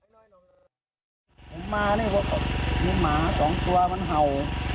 ผมมานี่มีหมา๒ตัวมันเห่า